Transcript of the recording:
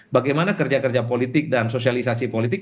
bagaimana kerja kerja politik dan sosialisasi politik